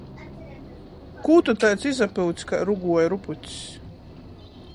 Kū tu taids izapyuts kai ruguoju rupucs!